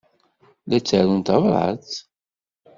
La ttarunt tabṛat?